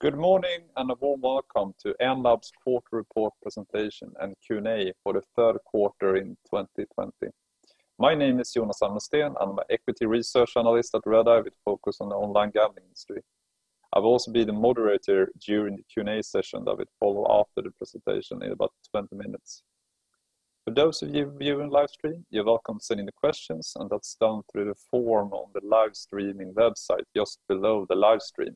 Good morning, and a warm welcome to Enlabs' quarter report presentation and Q&A for the third quarter in 2020. My name is Jonas Amnesten. I'm an equity research analyst at Redeye, with a focus on the online gambling industry. I will also be the moderator during the Q&A session that will follow after the presentation in about 20 minutes. For those of you viewing live stream, you're welcome sending the questions. That's done through the form on the live streaming website just below the live stream.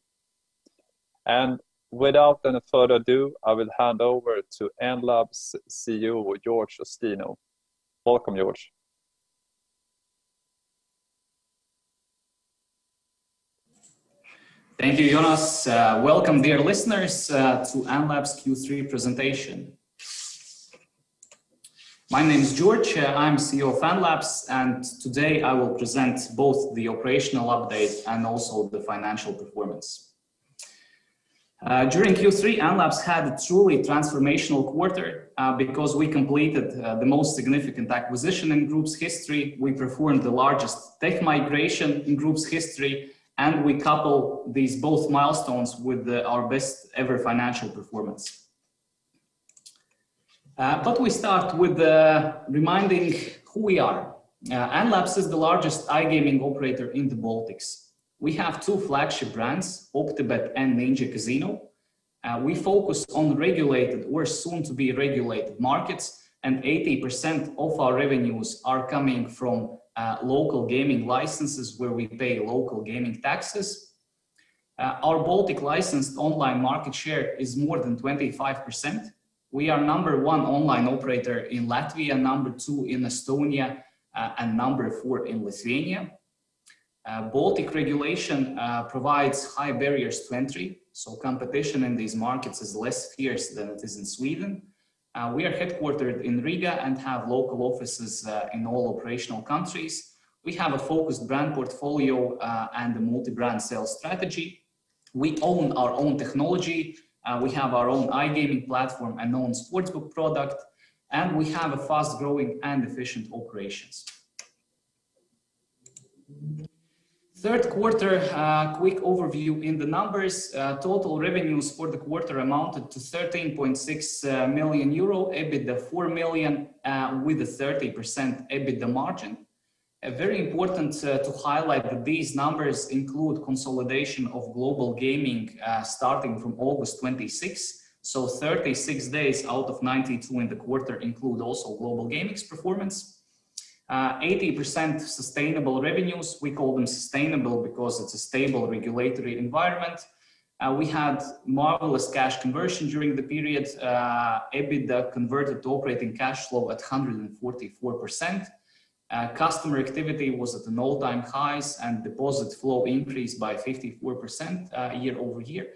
Without any further ado, I will hand over to Enlabs CEO, George Ustinov. Welcome, George. Thank you, Jonas. Welcome, dear listeners, to Enlabs' Q3 presentation. My name is George. I'm CEO of Enlabs, and today I will present both the operational update and also the financial performance. During Q3, Enlabs had a truly transformational quarter because we completed the most significant acquisition in the group's history, we performed the largest tech migration in the group's history, and we coupled both of these milestones with our best-ever financial performance. We start with reminding who we are. Enlabs is the largest iGaming operator in the Baltics. We have two flagship brands, Optibet and Ninja Casino. We focus on regulated or soon-to-be-regulated markets, and 80% of our revenues are coming from local gaming licenses where we pay local gaming taxes. Our Baltic-licensed online market share is more than 25%. We are number one online operator in Latvia, number two in Estonia, and number four in Lithuania. Baltic regulation provides high barriers to entry. Competition in these markets is less fierce than it is in Sweden. We are headquartered in Riga and have local offices in all operational countries. We have a focused brand portfolio and a multi-brand sales strategy. We own our own technology. We have our own iGaming platform and own sportsbook product, and we have fast-growing and efficient operations. Third quarter quick overview in the numbers. Total revenues for the quarter amounted to 13.6 million euro, EBITDA 4 million with a 30% EBITDA margin. Very important to highlight that these numbers include the consolidation of Global Gaming, starting from August 26. 36 days out of 92 in the quarter also include Global Gaming's performance. 80% sustainable revenues. We call them sustainable because it's a stable regulatory environment. We had marvelous cash conversion during the period. EBITDA converted to operating cash flow at 144%. Customer activity was at an all-time high; deposit flow increased by 54% year-over-year.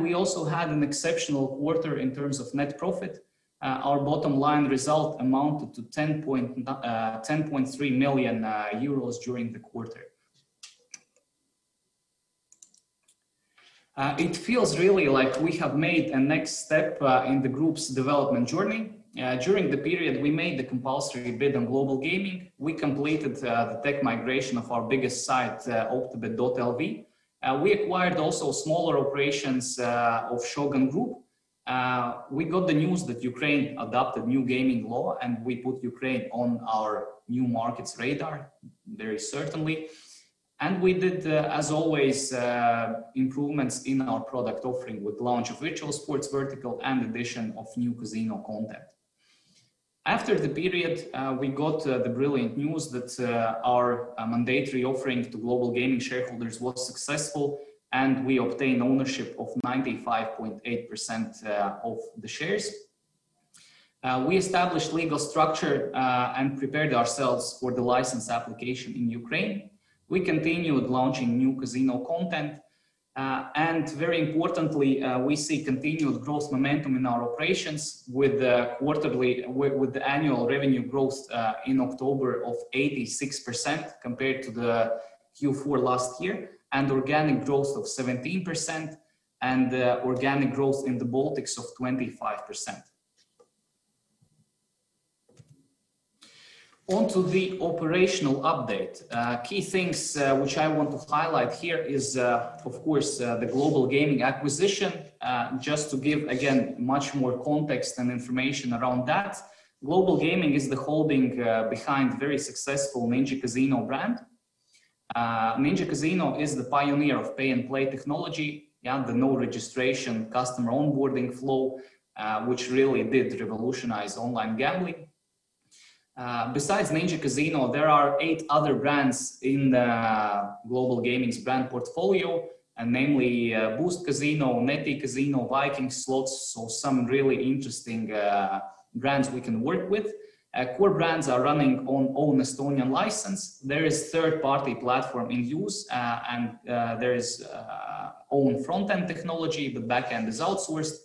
We also had an exceptional quarter in terms of net profit. Our bottom line result amounted to 10.3 million euros during the quarter. It feels really like we have made a next step in the group's development journey. During the period, we made the compulsory bid on Global Gaming. We completed the tech migration of our biggest site, Optibet.lv. We also acquired smaller operations of Shogun Group. We got the news that Ukraine adopted new gaming law, and we put Ukraine on our new market's radar very certainly. We did, as always, make improvements in our product offering with the launch of the virtual sports vertical and the addition of new casino content. After the period, we got the brilliant news that our mandatory offering to Global Gaming shareholders was successful, and we obtained ownership of 95.8% of the shares. We established a legal structure and prepared ourselves for the license application in Ukraine. We continued launching new casino content. Very importantly, we see continued growth momentum in our operations with the annual revenue growth in October of 86% compared to Q4 last year, organic growth of 17%, and organic growth in the Baltics of 25%. On to the operational update. Key things that I want to highlight here are, of course, the Global Gaming acquisition. Just to give, again, much more context and information around that, Global Gaming is the holding behind the very successful Ninja Casino brand. Ninja Casino is the pioneer of pay-and-play technology and the no-registration customer onboarding flow, which really did revolutionize online gambling. Besides Ninja Casino, there are eight other brands in the Global Gaming's brand portfolio, namely Boost Casino, Netti Casino, and Viking Slots, some really interesting brands we can work with. Core brands are running on their own Estonian license. There is a third-party platform in use; there is its own front-end technology. The back end is outsourced.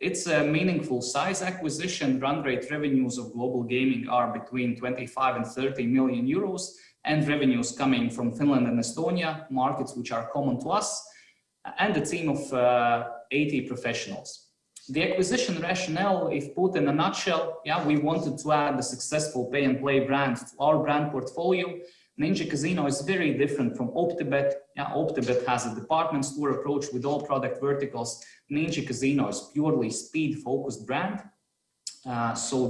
It's a meaningful size acquisition. Run rate revenues of Global Gaming are between 25 and 30 million euros, with revenues coming from Finland and Estonia, markets that are common to us, and a team of 80 professionals. The acquisition rationale, if put in a nutshell, we wanted to add a successful pay-and-play brand to our brand portfolio. Ninja Casino is very different from Optibet. Optibet has a department store approach with all product verticals. Ninja Casino is a purely speed-focused brand.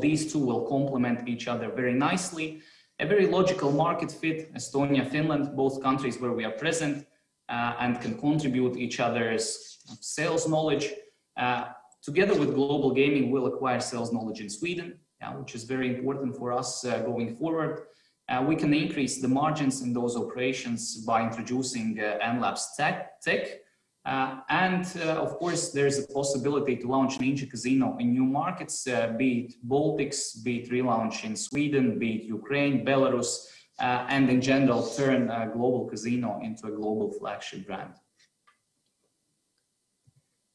These two will complement each other very nicely. A very logical market fit, Estonia and Finland, both countries where we are present, can contribute to each other's sales knowledge. Together with Global Gaming, we'll acquire sales knowledge in Sweden, which is very important for us going forward. We can increase the margins in those operations by introducing Enlabs tech. And of course, there is a possibility to launch Ninja Casino in new markets, be it the Baltics, be it a relaunch in Sweden, or be it Ukraine, Belarus, and in general, turn Global Gaming into a global flagship brand.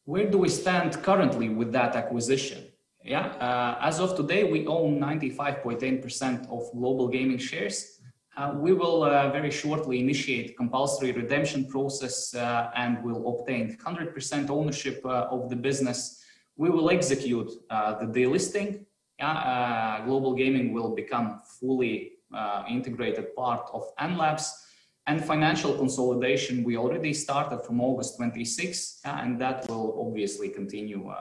Where do we stand currently with that acquisition? As of today, we own 95.8% of Global Gaming shares. We will very shortly initiate a compulsory redemption process and will obtain 100% ownership of the business. We will execute the delisting. Global Gaming will become a fully integrated part of Enlabs. Financial consolidation: we already started on August 26, and that will obviously continue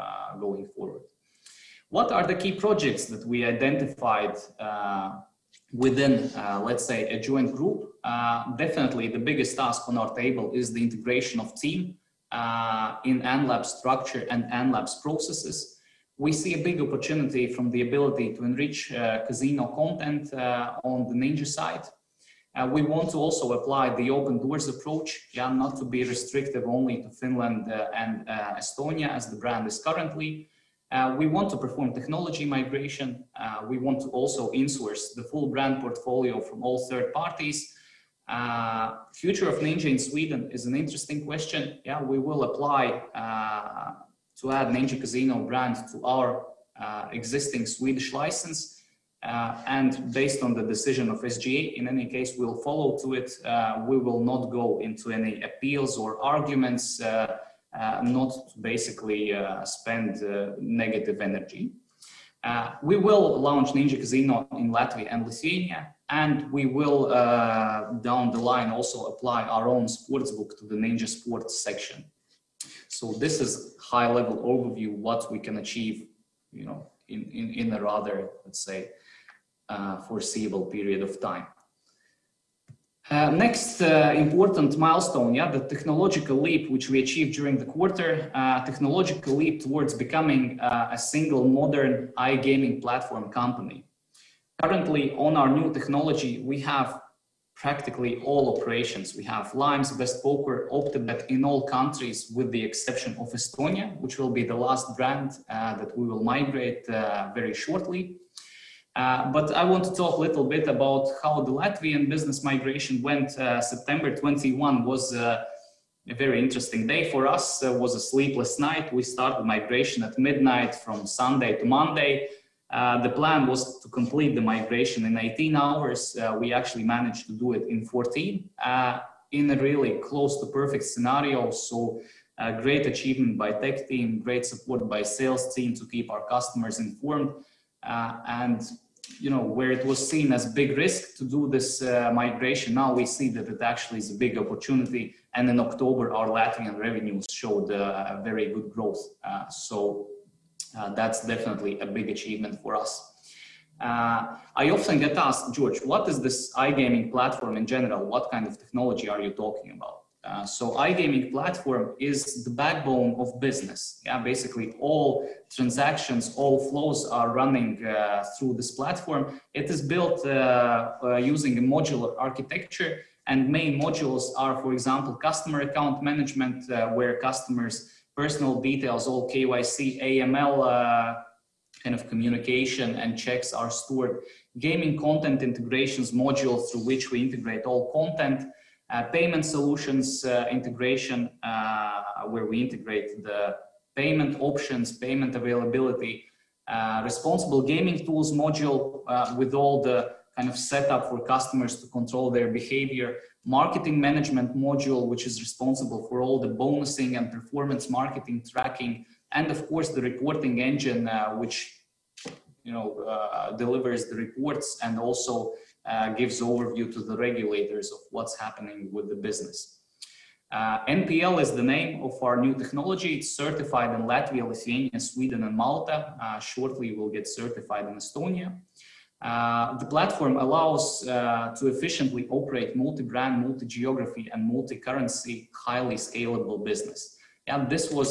going forward. What are the key projects that we identified within, let's say, a joint group? Definitely the biggest task on our table is the integration of the team in the Enlabs structure and Enlabs processes. We see a big opportunity from the ability to enrich casino content on the Ninja side. We also want to apply the open doors approach, not to be restrictive only to Finland and Estonia as the brand is currently. We want to perform technology migration. We also want to insource the full brand portfolio from all third parties. Future of Ninja in Sweden is an interesting question. We will apply to add the Ninja Casino brand to our existing Swedish license. Based on the decision of SGA, in any case, we'll follow it. We will not go into any appeals or arguments, nor basically spend negative energy. We will launch Ninja Casino in Latvia and Lithuania; we will, down the line, also apply our own sportsbook to the Ninja sports section. This is a high-level overview of what we can achieve in a rather, let's say, foreseeable period of time. Next important milestone: the technological leap, which we achieved during the quarter, a technological leap towards becoming a single modern iGaming platform company. Currently, on our new technology, we have practically all operations. We have Laimz, BestPoker, and Optibet in all countries with the exception of Estonia, which will be the last brand that we will migrate very shortly. I want to talk a little bit about how the Latvian business migration went. September 21 was a very interesting day for us. It was a sleepless night. We started migration at midnight from Sunday to Monday. The plan was to complete the migration in 18 hours. We actually managed to do it in 14, in a really close to perfect scenario. Great achievement by the tech team and great support by the sales team to keep our customers informed. Where it was seen as a big risk to do this migration, now we see that it actually is a big opportunity. In October, our Latvian revenues showed very good growth. That's definitely a big achievement for us. I often get asked, George, what is this iGaming platform in general? What kind of technology are you talking about? iGaming platform is the backbone of the business. Basically, all transactions and all flows are running through this platform. It is built using a modular architecture. Main modules are, for example, customer account management, where customers' personal details, all KYC, AML, communication, and checks are stored. Gaming content integrations module through which we integrate all content. Payment solutions integration, where we integrate the payment options and payment availability. Responsible gaming tools module, with all the setup for customers to control their behavior. Marketing management module, which is responsible for all the bonusing and performance marketing tracking. Of course, the reporting engine, which delivers the reports and also gives an overview to the regulators of what's happening with the business. NPL is the name of our new technology. It's certified in Latvia, Lithuania, Sweden, and Malta. Shortly, I will get certified in Estonia. The platform allows for the efficient operation of a multi-brand, multi-geography, and multi-currency, highly scalable business. This was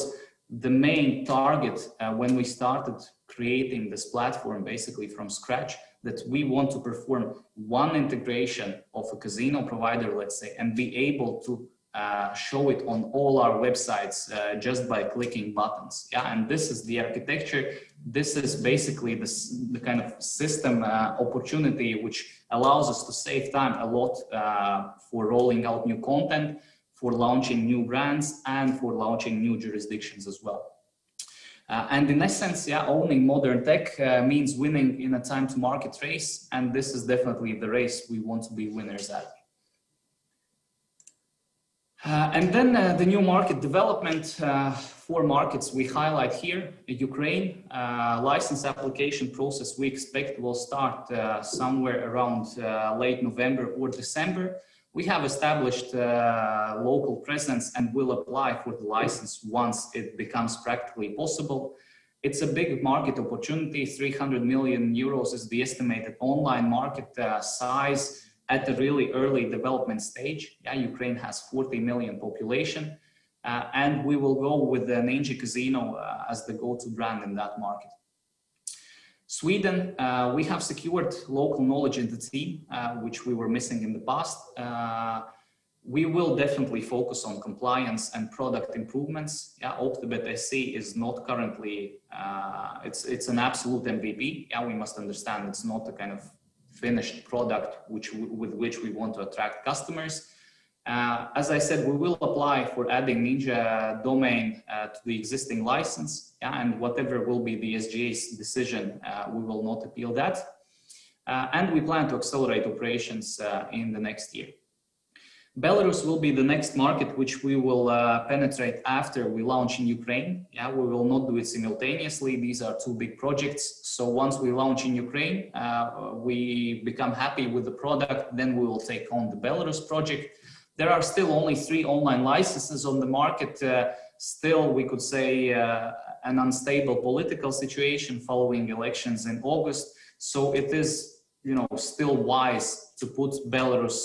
the main target when we started creating this platform basically from scratch, that we wanted to perform one integration of a casino provider, let's say, and be able to show it on all our websites just by clicking buttons. This is the architecture. This is basically the kind of system opportunity that allows us to save a lot of time for rolling out new content, for launching new brands, and for launching new jurisdictions as well. In essence, owning modern tech means winning in a time-to-market race, and this is definitely the race we want to be winners at. The new market development has four markets we highlight here. Ukraine's license application process, we expect, will start somewhere around late November or December. We have established a local presence and will apply for the license once it becomes practically possible. It's a big market opportunity. 300 million euros is the estimated online market size at the really early development stage. Ukraine has a 40 million population. We will go with the Ninja Casino as the go-to brand in that market. Sweden, we have secured local knowledge in the team, which we were missing in the past. We will definitely focus on compliance and product improvements. Optibet.se is an absolute MVP. We must understand it's not a finished product with which we want to attract customers. As I said, we will apply for adding the Ninja domain to the existing license. Whatever will be the SGA's decision, we will not appeal that. We plan to accelerate operations in the next year. Belarus will be the next market that we will penetrate after we launch in Ukraine. We will not do it simultaneously. These are two big projects. Once we launch in Ukraine and become happy with the product, then we will take on the Belarus project. There are still only three online licenses on the market. Still, we could say, an unstable political situation following elections in August. It is still wise to put Belarus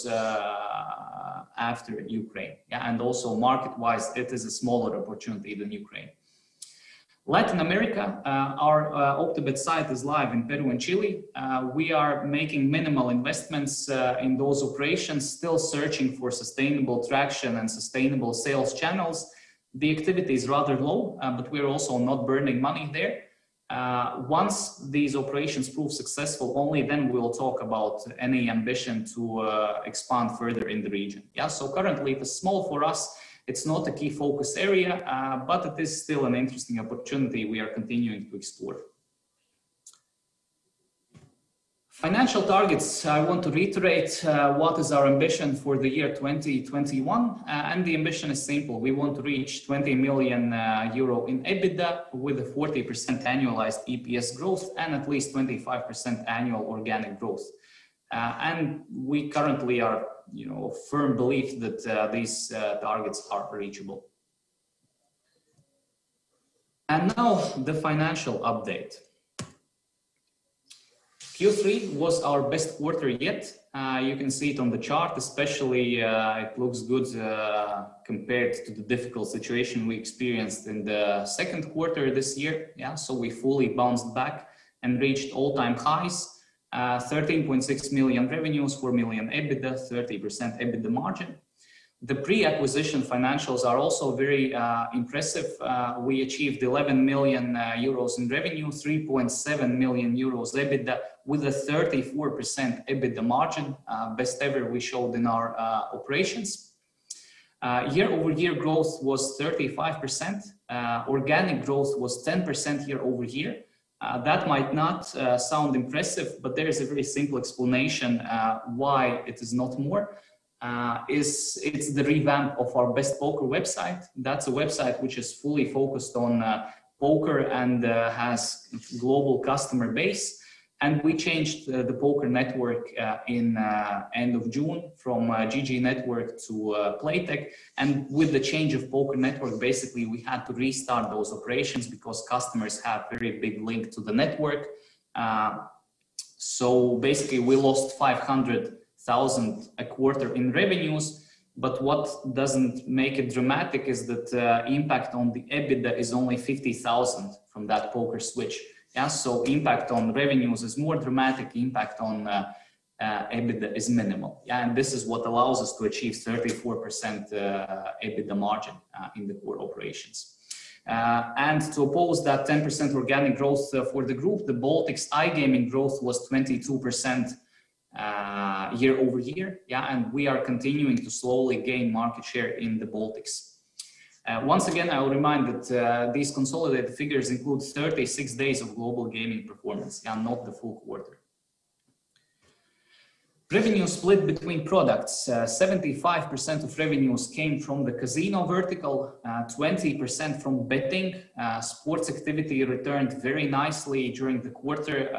after Ukraine. Also market-wise, it is a smaller opportunity than Ukraine. Latin America, our Optibet site is live in Peru and Chile. We are making minimal investments in those operations, still searching for sustainable traction and sustainable sales channels. The activity is rather low, but we're also not burning money there. Once these operations prove successful, only then we will talk about any ambition to expand further in the region. Currently, it is small for us. It's not a key focus area, but it is still an interesting opportunity we are continuing to explore. Financial targets: I want to reiterate what our ambition is for the year 2021. The ambition is simple. We want to reach 20 million euro in EBITDA with a 40% annualized EPS growth and at least 25% annual organic growth. We currently are of firm belief that these targets are reachable. Now the financial update. Q3 was our best quarter yet. You can see it on the chart, especially; it looks good compared to the difficult situation we experienced in the second quarter this year. We fully bounced back and reached all-time highs. 13.6 million in revenues, 4 million in EBITDA, 30% EBITDA margin. The pre-acquisition financials are also very impressive. We achieved 11 million euros in revenue and 3.7 million euros in EBITDA with a 34% EBITDA margin, the best we have ever shown in our operations. Year-over-year growth was 35%. Organic growth was 10% year-over-year. That might not sound impressive, but there is a very simple explanation why it is not more. It's the revamp of our BestPoker website. That's a website that is fully focused on poker and has a global customer base. We changed the poker network at the end of June from GG Network to Playtech. With the change of poker networks, basically, we had to restart those operations because customers have a very big link to the network. Basically, we lost 500,000 a quarter in revenues, but what doesn't make it dramatic is that the impact on the EBITDA is only 50,000 from that poker switch. Impact on revenues is more dramatic; impact on EBITDA is minimal. This is what allows us to achieve 34% EBITDA margin in the core operations. To oppose that 10% organic growth for the group, the Baltics iGaming growth was 22% year-over-year. We are continuing to slowly gain market share in the Baltics. Once again, I will remind you that these consolidated figures include 36 days of Global Gaming performance and not the full quarter. Revenue split between products. 75% of revenues came from the casino vertical, 20% from betting. Sports activity returned very nicely during the quarter.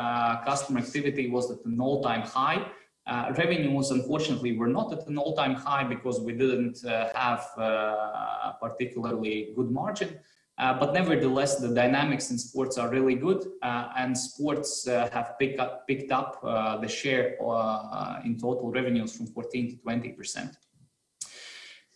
Customer activity was at an all-time high. Revenues, unfortunately, were not at an all-time high because we didn't have a particularly good margin. Nevertheless, the dynamics in sports are really good, and sports have picked up the share in total revenues from 14%-20%.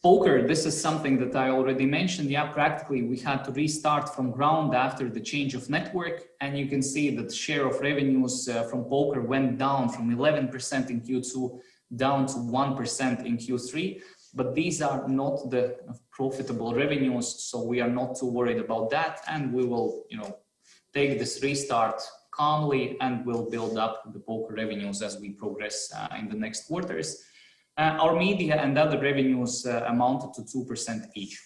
Poker, this is something that I already mentioned. Practically, we had to restart from the ground after the change of network. You can see that the share of revenues from poker went down from 11% in Q2-1% in Q3. These are not the profitable revenues. We are not too worried about that. We will take this restart calmly. We'll build up the poker revenues as we progress in the next quarters. Our media and other revenues amounted to 2% each.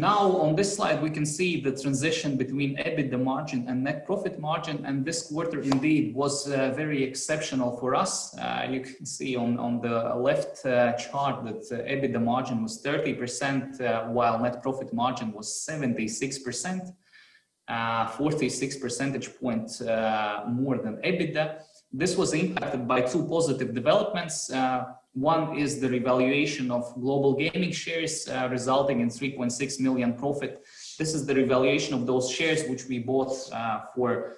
On this slide, we can see the transition between EBITDA margin and net profit margin. This quarter indeed was very exceptional for us. You can see on the left chart that the EBITDA margin was 30%, while the net profit margin was 76%, 46 percentage points more than EBITDA. This was impacted by two positive developments. One is the revaluation of Global Gaming shares, resulting in 3.6 million profit. This is the revaluation of those shares, which we bought for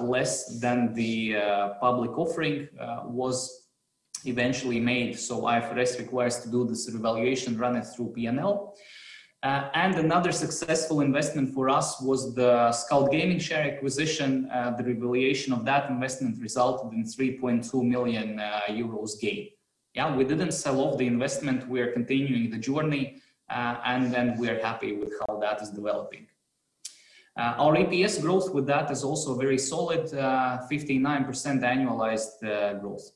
less than the public offering was eventually made. IFRS requires doing this revaluation; run it through P&L. Another successful investment for us was the Scout Gaming share acquisition. The revaluation of that investment resulted in a 3.2 million euros gain. Yeah, we didn't sell all the investment. We are continuing the journey, and then we are happy with how that is developing. Our EPS growth with that is also very solid, 59% annualized growth.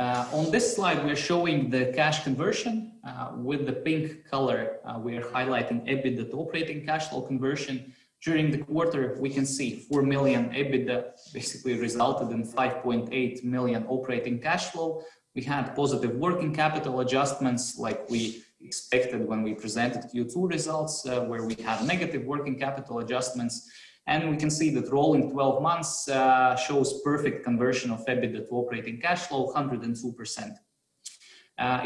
On this slide, we are showing the cash conversion. With the pink color, we are highlighting EBITDA to operating cash flow conversion. During the quarter, we can see 4 million EBITDA basically resulted in 5.8 million operating cash flow. We had positive working capital adjustments like we expected when we presented Q2 results, where we had negative working capital adjustments. We can see that rolling 12 months shows perfect conversion of EBITDA to operating cash flow, 102%.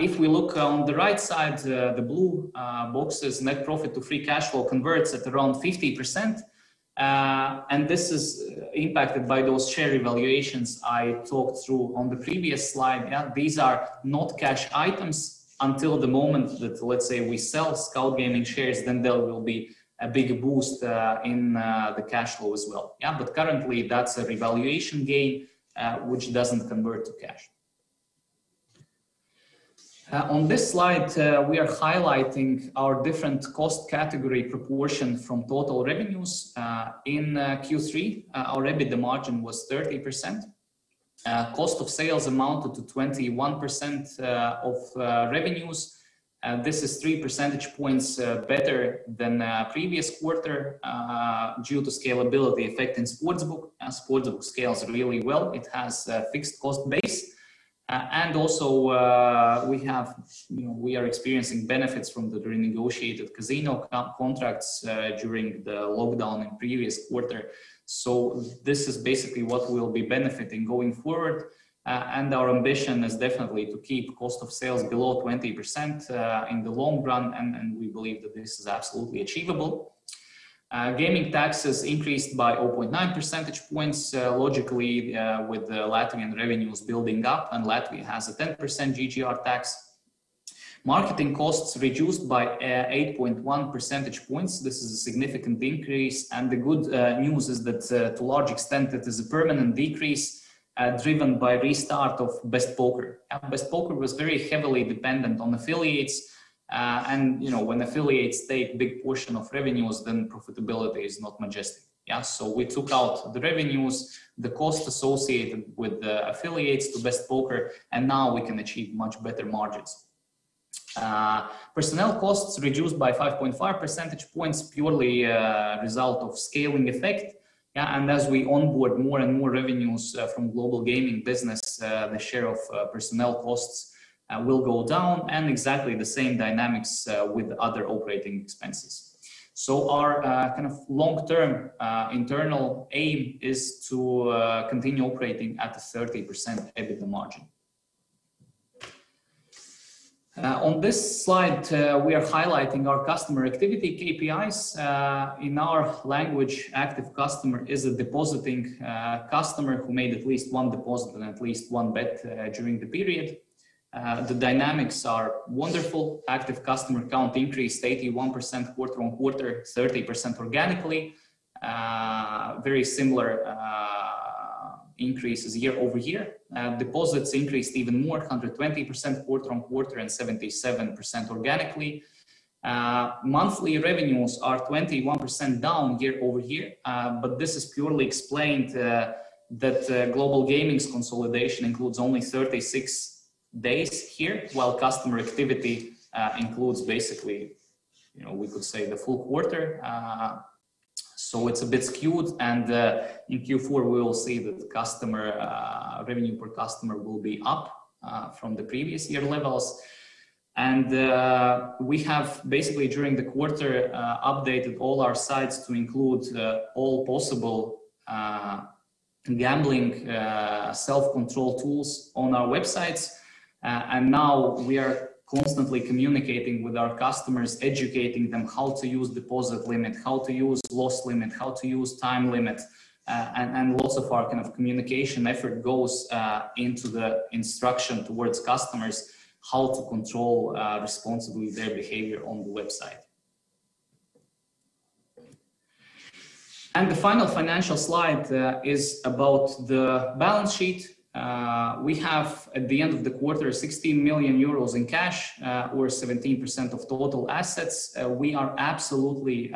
If we look on the right side, the blue boxes, net profit to free cash flow, convert at around 50%. This is impacted by those share evaluations I talked through on the previous slide. These are not cash items until the moment that, let's say, we sell Scout Gaming shares; then there will be a big boost in the cash flow as well. Currently that's a revaluation gain, which doesn't convert to cash. On this slide, we are highlighting our different cost category proportions from total revenues. In Q3, our EBITDA margin was 30%. Cost of sales amounted to 21% of revenues. This is three percentage points better than the previous quarter due to the scalability effect in the sportsbook. Sports books scale really well. It has a fixed cost base. Also, we are experiencing benefits from the renegotiated casino contracts during the lockdown in the previous quarter. This is basically what we'll be benefiting from going forward. Our ambition is definitely to keep the cost of sales below 20% in the long run, and we believe that this is absolutely achievable. Gaming taxes increased by 0.9 percentage points, logically, with the Latvian revenues building up. Latvia has a 10% GGR tax. Marketing costs were reduced by 8.1 percentage points. This is a significant decrease. The good news is that to a large extent, it is a permanent decrease driven by the restart of BestPoker. BestPoker was very heavily dependent on affiliates. When affiliates take a big portion of revenues, then profitability is not majestic. We took out the revenues and the cost associated with the affiliates to BestPoker. Now we can achieve much better margins. Personnel costs reduced by 5.5 percentage points, purely as a result of the scaling effect. As we onboard more and more revenues from Global Gaming business, the share of personnel costs will go down, and exactly the same dynamics will apply to other operating expenses. Our long-term internal aim is to continue operating at a 30% EBITDA margin. On this slide, we are highlighting our customer activity KPIs. In our language, an active customer is a depositing customer who made at least one deposit and at least one bet during the period. The dynamics are wonderful. Active customer count increased 81% quarter on quarter, 30% organically. Very similar increases year-over-year. Deposits increased even more, 120% quarter on quarter and 77% organically. Monthly revenues are 21% down year-over-year, this is purely explained by the fact that Global Gaming's consolidation includes only 36 days here, while customer activity includes basically, we could say, the full quarter. It's a bit skewed; in Q4, we will see that revenue per customer will be up from the previous year levels. We have basically, during the quarter, updated all our sites to include all possible gambling self-control tools on our websites. Now we are constantly communicating with our customers, educating them on how to use the deposit limit, how to use the loss limit, how to use the time limit, and lots of our communication effort goes into the instruction towards customers on how to control their behavior responsibly on the website. The final financial slide is about the balance sheet. We have at the end of the quarter, 16 million euros in cash, or 17% of total assets. We are absolutely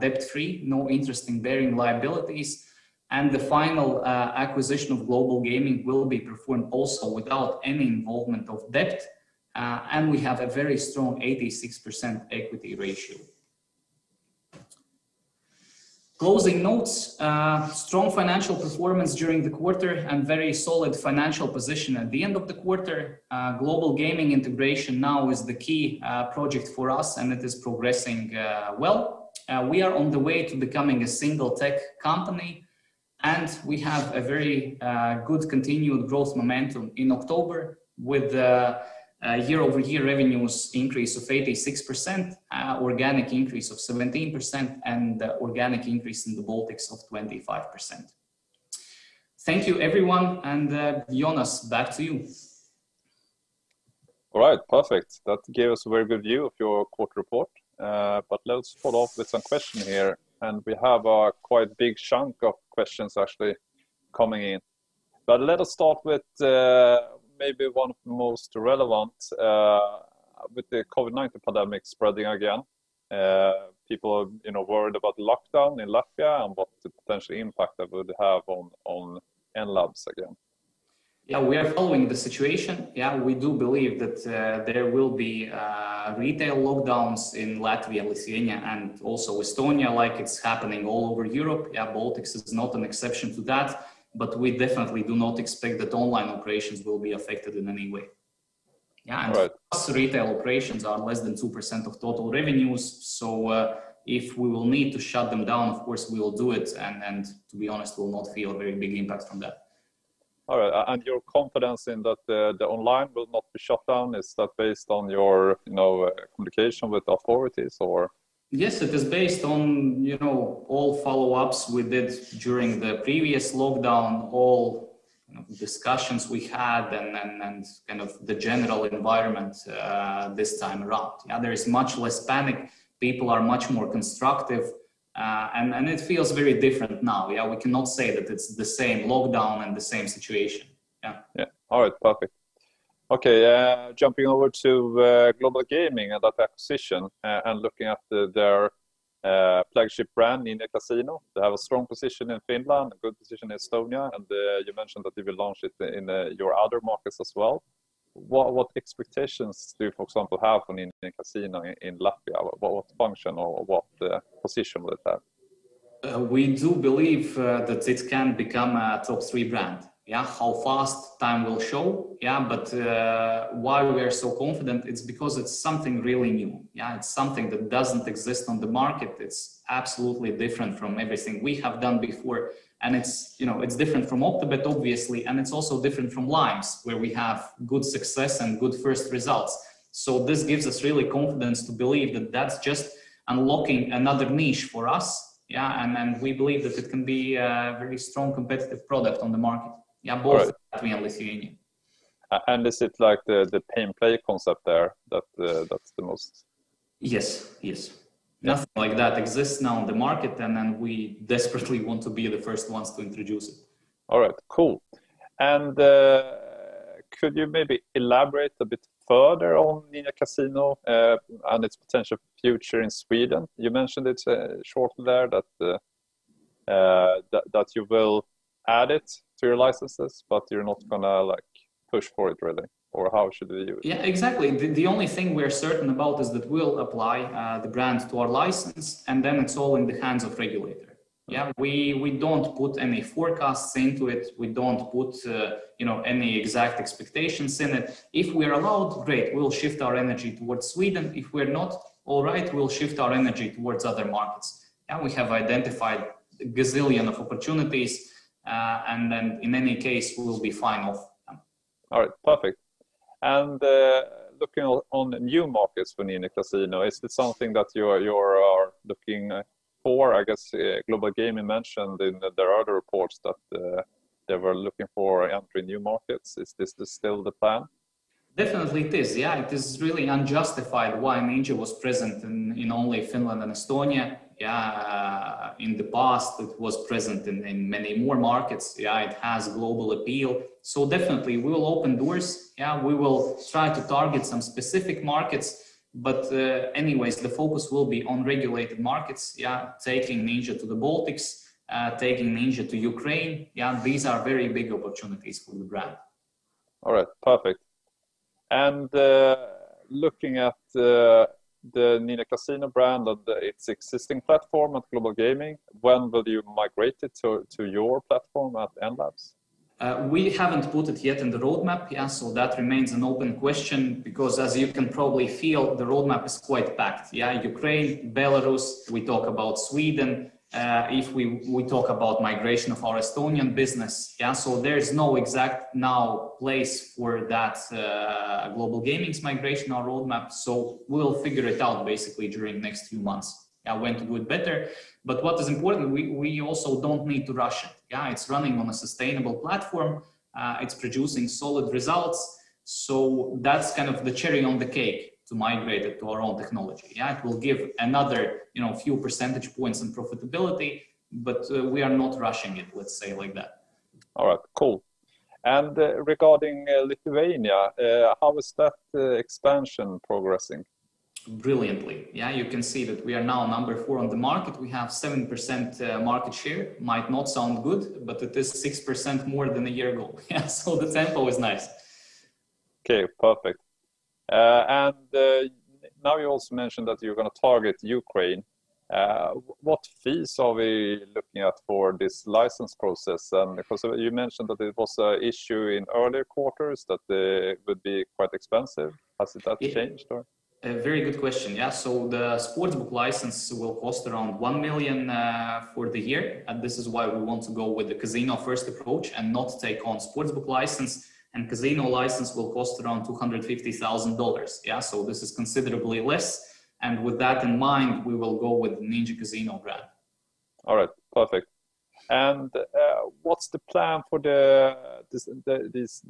debt-free, with no interest-bearing liabilities. The final acquisition of Global Gaming will also be performed without any involvement of debt. We have a very strong 86% equity ratio. Closing notes: strong financial performance during the quarter and a very solid financial position at the end of the quarter. Global Gaming integration now is the key project for us, and it is progressing well. We are on the way to becoming a single tech company, and we have a very good continued growth momentum in October with a year-over-year revenue increase of 86%, an organic increase of 17%, and an organic increase in the Baltics of 25%. Thank you, everyone, and Jonas, back to you. All right. Perfect. That gave us a very good view of your quarter report, but let's follow up with some questions here. We have a quite big chunk of questions actually coming in. Let us start with maybe one of the most relevant, with the COVID-19 pandemic spreading again, people worried about lockdown in Latvia and what potential impact that would have on Enlabs again. We are following the situation. We do believe that there will be retail lockdowns in Latvia, Lithuania, and also Estonia, like it's happening all over Europe. Baltics is not an exception to that, but we definitely do not expect that online operations will be affected in any way. Right. Retail operations are less than 2% of total revenues, so if we will need to shut them down, of course, we will do it, and to be honest, we will not feel a very big impact from that. All right. Your confidence that the online will not be shut down, is that based on your communication with authorities or? Yes, it is based on all follow-ups we did during the previous lockdown, all discussions we had, and the general environment this time around. There is much less panic. People are much more constructive, and it feels very different now. We cannot say that it's the same lockdown and the same situation. Yeah. All right, perfect. Okay, jumping over to Global Gaming and that acquisition and looking at their flagship brand, Ninja Casino. They have a strong position in Finland, a good position in Estonia, and you mentioned that you will launch it in your other markets as well. What expectations do you, for example, have on Ninja Casino in Latvia? What function or what position will it have? We do believe that it can become a top-three brand. How fast? Time will show. Why we are so confident is that it's something really new. It's something that doesn't exist on the market. It's absolutely different from everything we have done before, and it's different from Optibet, obviously, and it's also different from Laimz, where we have good success and good first results. This gives us real confidence to believe that that's just unlocking another niche for us. And we believe that it can be a very strong competitive product on the market. All right. both in Latvia and Lithuania. Is it like the pay-and-play concept there, that's the most? Yes. Nothing like that exists now on the market, and we desperately want to be the first ones to introduce it. All right, cool. Could you maybe elaborate a bit further on Ninja Casino and its potential future in Sweden? You mentioned it shortly there that you will add it to your licenses, but you're not going to push for it really, or how should we view it? Yeah, exactly. The only thing we're certain about is that we'll apply the brand to our license, and then it's all in the hands of the regulator. We don't put any forecasts into it. We don't put any exact expectations in it. If we're allowed, great. We'll shift our energy towards Sweden. If we're not, all right, we'll shift our energy towards other markets, and we have identified a gazillion opportunities, and then in any case, we'll be fine. All right, perfect. Looking for new markets for Ninja Casino, is it something that you are looking for? I guess Global Gaming mentioned in their other reports that they were looking to enter new markets. Is this still the plan? Definitely it is, yeah. It is really unjustified why Ninja was present in only Finland and Estonia. In the past, it was present in many more markets. It has global appeal, so definitely, we will open doors. We will try to target some specific markets. Anyways, the focus will be on regulated markets, taking Ninja to the Baltics, and taking Ninja to Ukraine. These are very big opportunities for the brand. All right, perfect. Looking at the Ninja Casino brand on its existing platform at Global Gaming, when will you migrate it to your platform at Enlabs? We haven't put it yet in the roadmap, so that remains an open question because as you can probably feel, the roadmap is quite packed. Ukraine, Belarus, and Sweden: we talk about Sweden if we talk about the migration of our Estonian business. There is no exact place now for that Global Gaming's migration or roadmap. We'll figure it out basically during the next few months when to do it better. What is important is that we also don't need to rush it. It's running on a sustainable platform. It's producing solid results. That's the cherry on the cake to migrate it to our own technology. It will give another few percentage points in profitability, but we are not rushing it. Let's say it like that. All right, cool. Regarding Lithuania, how is that expansion progressing? Brilliantly. You can see that we are now number four on the market. We have 7% market share. Might not sound good, but it is 6% more than a year ago, so the tempo is nice. Okay, perfect. Now you also mentioned that you're going to target Ukraine. What fees are we looking at for this license process? You mentioned that it was an issue in earlier quarters that would be quite expensive. Has that changed? A very good question. The sportsbook license will cost around 1 million for the year. This is why we want to go with the casino-first approach and not take on a sportsbook license. Casino license will cost around $250,000. This is considerably less. With that in mind, we will go with the Ninja Casino brand. All right. Perfect. What's the plan for the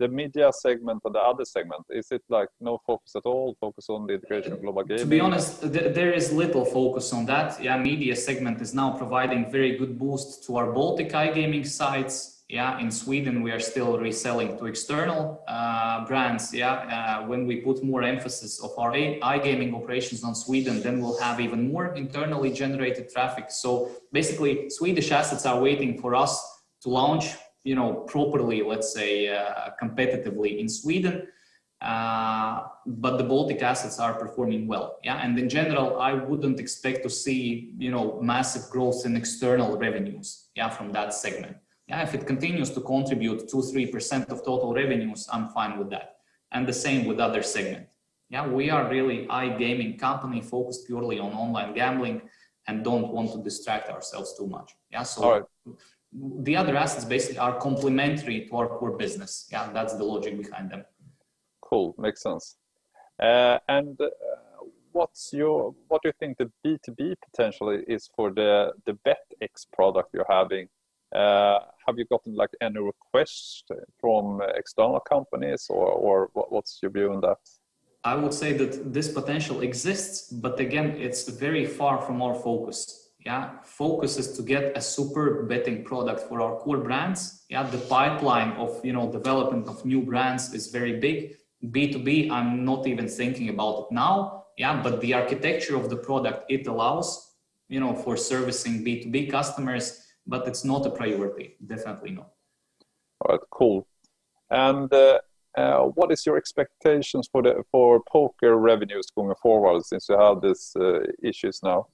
media segment or the Other Segment? Is it no focus at all? Focus on the integration of Global Gaming? To be honest, there is little focus on that. Media segment is now providing a very good boost to our Baltic iGaming sites. In Sweden we are still reselling to external brands. When we put more emphasis on our iGaming operations in Sweden, then we'll have even more internally generated traffic. Basically, Swedish assets are waiting for us to launch properly, let's say, competitively in Sweden. The Baltic assets are performing well. In general, I wouldn't expect to see massive growth in external revenues from that segment. If it continues to contribute 2% or 3% of total revenues, I'm fine with that. The same with Other segment. We are really iGaming company focused purely on online gambling and don't want to distract ourselves too much. All right. the other assets basically are complementary to our core business. Yeah, that's the logic behind them. Cool. Makes sense. What do you think the B2B potential is for the BetX product you're having? Have you gotten any requests from external companies, or what's your view on that? I would say that this potential exists, but again, it's very far from our focus. Focus is to get a super betting product for our core brands. The pipeline of development of new brands is very big. B2B, I'm not even thinking about it now. The architecture of the product allows for servicing B2B customers, but it's not a priority. Definitely no. All right, cool. What are your expectations for poker revenues going forward since you have these issues now?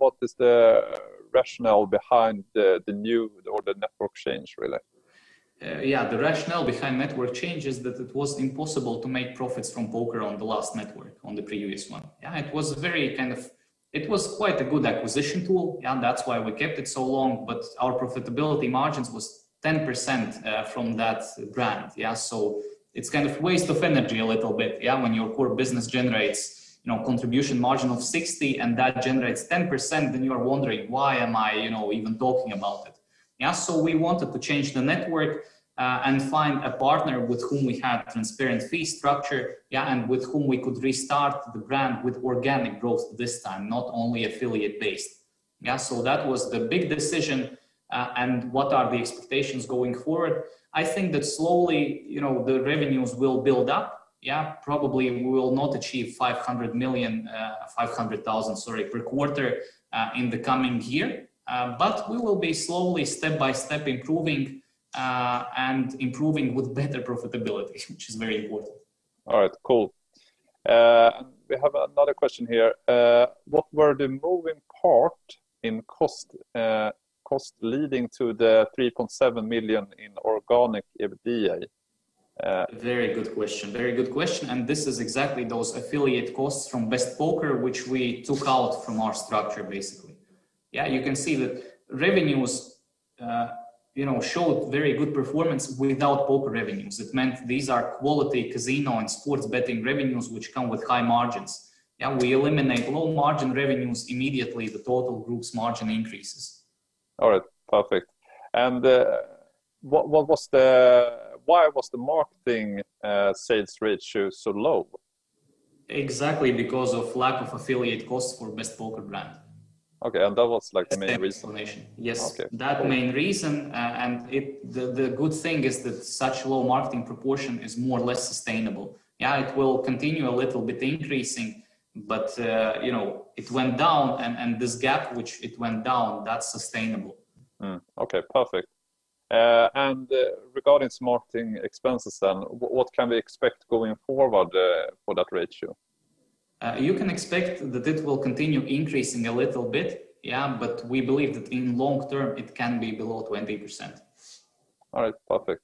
What is the rationale behind the new network change, really? The rationale behind the network change is that it was impossible to make profits from poker on the last network, on the previous one. It was quite a good acquisition tool, and that's why we kept it so long, but our profitability margins were 10% from that brand. It's a waste of energy a little bit when your core business generates a contribution margin of 60% and that generates 10%, and then you are wondering, why am I even talking about it? We wanted to change the network and find a partner with whom we had a transparent fee structure and with whom we could restart the brand with organic growth this time, not only affiliate-based. That was the big decision, and what are the expectations going forward? I think that slowly the revenues will build up. Probably we will not achieve 500,000, sorry, per quarter, in the coming year. We will be slowly, step by step, improving and improving with better profitability, which is very important. All right, cool. We have another question here. What were the moving parts in cost leading to the 3.7 million in organic EBITDA? Very good question. Very good question. This is exactly those affiliate costs from BestPoker, which we took out from our structure basically. Yeah, you can see that revenues showed very good performance without poker revenues. It meant these are quality casino and sports betting revenues, which come with high margins. Yeah, we eliminate low-margin revenues immediately; the total group's margin increases. All right. Perfect. Why was the marketing sales ratio so low? Exactly because of the lack of affiliate costs for BestPoker brand. Okay, that was the main reason? Yes. Okay. That main reason, and the good thing is that such a low marketing proportion is more or less sustainable. Yeah, it will continue a little bit increasing, but it went down, and this gap, which it went down, that's sustainable. Okay, perfect. Regarding marketing expenses then, what can we expect going forward for that ratio? You can expect that it will continue increasing a little bit, yeah. We believe that in the long term it can be below 20%. All right, perfect.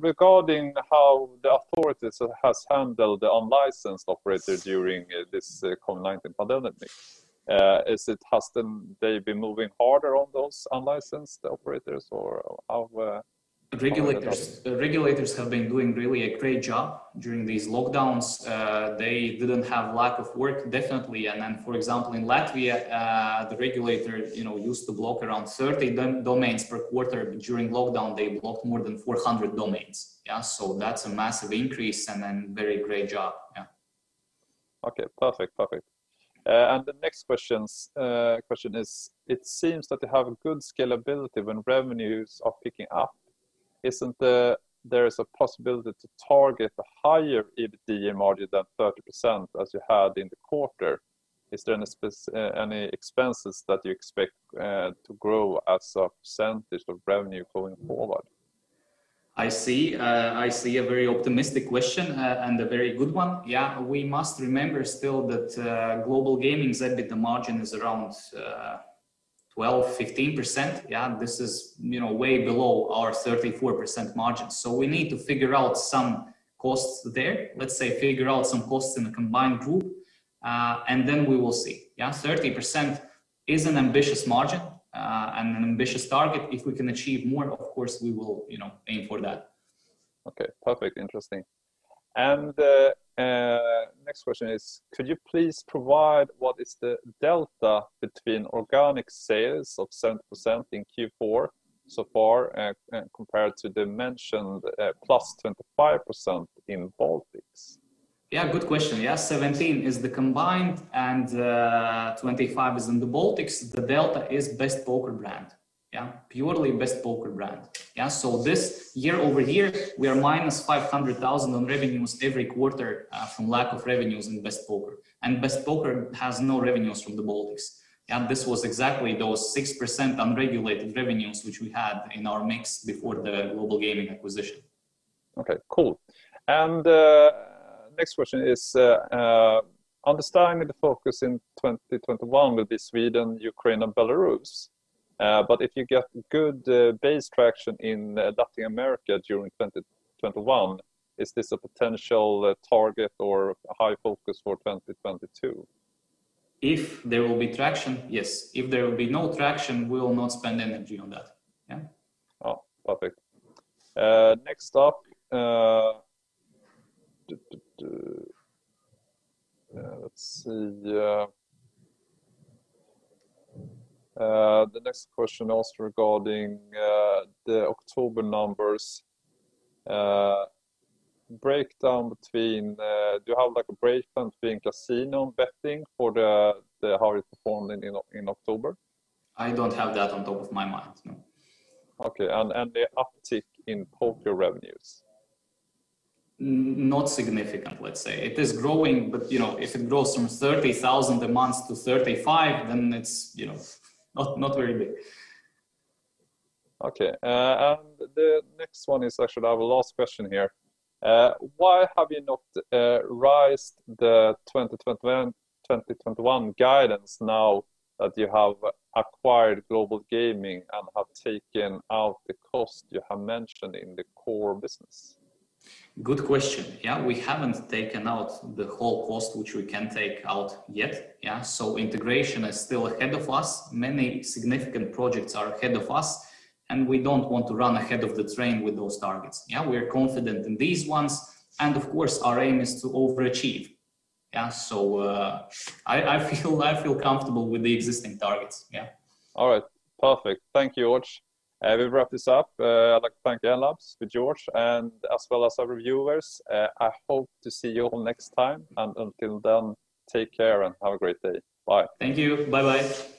Regarding how the authorities have handled the unlicensed operator during this COVID-19 pandemic, have they been moving harder on those unlicensed operators, or how are they doing? The regulators have been doing a really great job during these lockdowns. They didn't have a lack of work, definitely. For example, in Latvia, the regulator used to block around 30 domains per quarter. During lockdown they blocked more than 400 domains. That's a massive increase, and a very great job. Okay, perfect. Perfect. The next question is, it seems that they have good scalability when revenues are picking up. Isn't there a possibility to target a higher EBITDA margin than 30% as you had in the quarter? Are there any expenses that you expect to grow as a percentage of revenue going forward? I see a very optimistic question and a very good one. Yeah. We must remember still that Global Gaming's EBITDA margin is around 12%- 15%. Yeah. This is way below our 34% margin. We need to figure out some costs there. Let's say we figure out some costs in the combined group, and then we will see. Yeah. 30% is an ambitious margin and an ambitious target. If we can achieve more, of course, we will aim for that. Okay. Perfect. Interesting. The next question is, could you please provide what is the delta between organic sales of 17% in Q4 so far and compared to the mentioned +25% in the Baltics? Good question. 17 is the combined, and 25 is in the Baltics. The delta is BestPoker brand. Purely BestPoker brand. This year-over-year, we are minus 500,000 on revenues every quarter from lack of revenues in BestPoker, and BestPoker has no revenues from the Baltics. This was exactly those 6% unregulated revenues that we had in our mix before the Global Gaming acquisition. Okay, cool. Next question is, understanding the focus in 2021 will be Sweden, Ukraine, and Belarus. If you get good base traction in Latin America during 2021, is this a potential target or a high focus for 2022? If there will be traction, yes. If there will be no traction, we will not spend energy on that. Yeah. Oh, perfect. Next up, let's see. The next question asks regarding the October numbers: do you have a breakdown between casino and betting for how it performed in October? I don't have that on top of my mind, no. Okay. The uptick in poker revenues? Not significant, let's say. It is growing, but if it grows from 30,000 a month-EUR 35, then it's not very big. Okay. The next one is actually our last question here. Why have you not raised the 2021 guidance now that you have acquired Global Gaming and have taken out the cost you have mentioned in the core business? Good question. Yeah, we haven't taken out the whole cost, which we can take out yet. Integration is still ahead of us. Many significant projects are ahead of us, and we don't want to run ahead of the train with those targets. Yeah, we are confident in these ones, and of course, our aim is to overachieve. I feel comfortable with the existing targets. Yeah. All right. Perfect. Thank you, George. We'll wrap this up. I'd like to thank Enlabs with George, as well as our viewers. I hope to see you all next time. Until then, take care and have a great day. Bye. Thank you. Bye-bye.